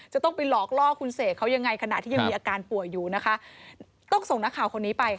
จะต้องไปหลอกล่อคุณเสกเขายังไงขณะที่ยังมีอาการป่วยอยู่นะคะต้องส่งนักข่าวคนนี้ไป